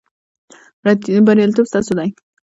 بریالیتوب ستاسو دی